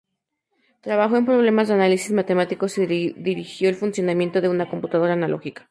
Trabajó en problemas de análisis matemáticos, y dirigió el funcionamiento de una computadora analógica.